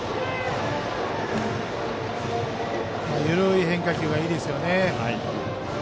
緩い変化球がいいですよね。